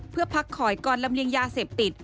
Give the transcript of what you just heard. เพื่อพักคอยก่อนลำเลียงยาเสพติด